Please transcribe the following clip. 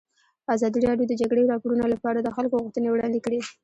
ازادي راډیو د د جګړې راپورونه لپاره د خلکو غوښتنې وړاندې کړي.